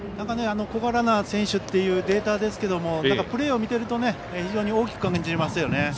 小柄な選手というデータですがプレーを見てると非常に大きく感じますよね。